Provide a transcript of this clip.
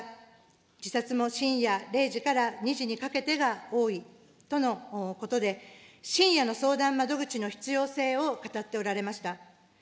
自殺も深夜０時から２時にかけてが多いとのことで、深夜の相談窓口の必要性を語っておられました。